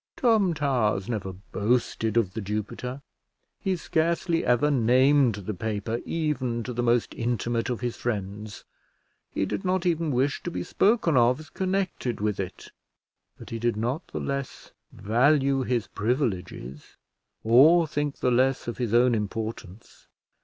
Tom Towers never boasted of The Jupiter; he scarcely ever named the paper even to the most intimate of his friends; he did not even wish to be spoken of as connected with it; but he did not the less value his privileges, or think the less of his own importance.